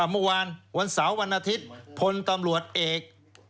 เมื่อวานวันเสาร์วันอาทิตย์พลตำรวจเอก